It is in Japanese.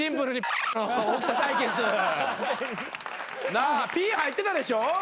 なあピー入ってたでしょ前も。